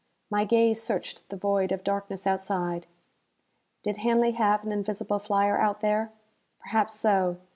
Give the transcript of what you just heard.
My gaze searched the void of darkness outside. Did Hanley have an invisible flyer out there? Perhaps so.